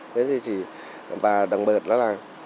thế thì chỉ bà đồng bệnh đó là